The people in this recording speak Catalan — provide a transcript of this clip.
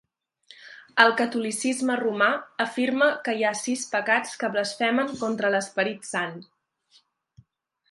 El catolicisme romà afirma que hi ha sis pecats que blasfemen contra l'Esperit Sant.